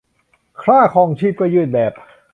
ค่าครองชีพก็ยื่นแบบ